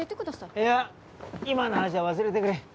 いや今の話は忘れてくれ。